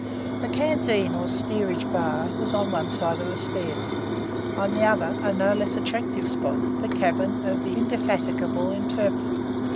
The canteen, or steerage bar, was on one side of the stair; on the other, a no less attractive spot, the cabin of the indefatigable interpreter.